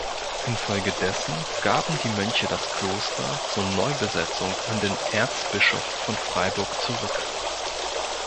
Infolgedessen gaben die Mönche das Kloster zur Neubesetzung an den Erzbischof von Freiburg zurück.